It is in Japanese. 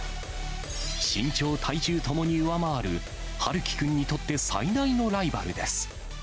身長、体重ともに上回る、陽希君にとって最大のライバルです。